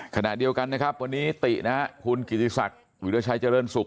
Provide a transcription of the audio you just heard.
ขณะเดียวกันนะครับวันนี้ตินะครับคุณกิติศักดิ์วิราชัยเจริญสุข